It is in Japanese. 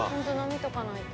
見ておかないと。